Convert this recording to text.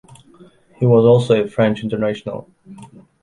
He was also a French international